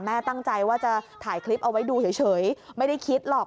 ตั้งใจว่าจะถ่ายคลิปเอาไว้ดูเฉยไม่ได้คิดหรอก